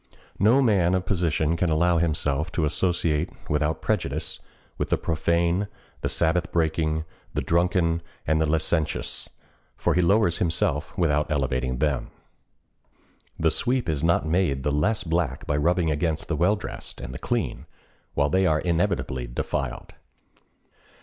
No man of position can allow himself to associate, without prejudice, with the profane, the Sabbath breaking, the drunken, and the licentious; for he lowers himself, without elevating them. The sweep is not made the less black by rubbing against the well dressed and the clean, while they are inevitably defiled.